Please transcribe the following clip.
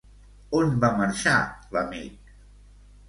On va marxar l'amic?